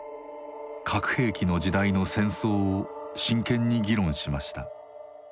核兵器の時代の戦争を真剣に議論しました。